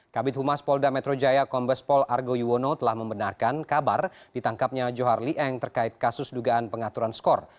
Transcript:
kabit humas polda metro jaya kombes pol argo yuwono telah membenarkan kabar ditangkapnya johar lee eng terkait kasus dugaan pengaturan skor